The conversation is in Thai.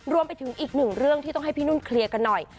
รวมไปถึงอีกหนึ่งเรื่องที่ต้องให้พี่นุ่นเคลียร์กันหน่อย